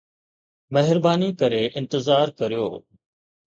مهرباني ڪري انتظار ڪريو